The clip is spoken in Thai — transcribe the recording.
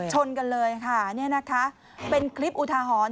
ชนกันเลยค่ะนี่นะคะเป็นคลิปอุทาหรณ์